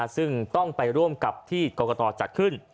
ซึ่งต้องไปร่วมกับที่กรกตจัดขึ้น